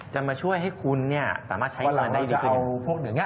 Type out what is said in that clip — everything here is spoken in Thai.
จะมาช่วยให้คุณสามารถใช้เงินได้ดีกว่าอย่างไร